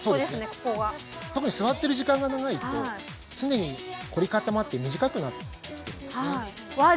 ここが特に座ってる時間が長いと常に凝り固まって短くなってきてるんですねわあ